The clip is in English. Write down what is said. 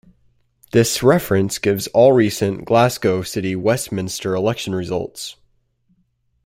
This reference gives all recent Glasgow City Westminster election results.